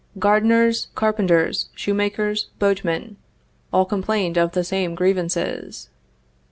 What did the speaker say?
Gardeners, carpenters, shoemakers, boatmen, all complained of the same grievances.